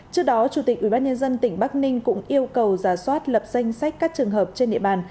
trước đó chủ tịch ubnd tỉnh bắc ninh cũng yêu cầu giả soát lập danh sách các trường hợp trên địa bàn